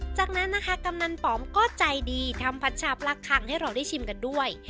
จากนั้นนะคะกำนันป๋อมก็ใจดีทำผัดชาปลาคังให้เราได้ชิมกันด้วย